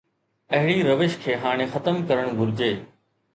اهڙي روش کي هاڻي ختم ڪرڻ گهرجي.